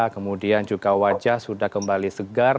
kemudian juga wajah sudah kembali segar